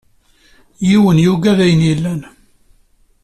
Yiwen yugad ayen yellan.